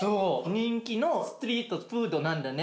人気のストリートフードなんだね。